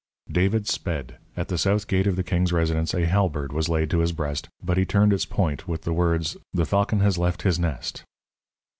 David sped. At the south gate of the king's residence a halberd was laid to his breast, but he turned its point with the words; "The falcon has left his nest."